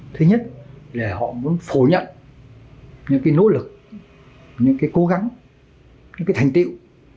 thứ nhất là họ muốn phổ nhận những cái nỗ lực những cái cố gắng những cái thành tiệu